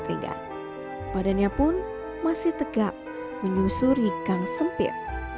tingkat badannya pun masih tegak menyusuri gang sempit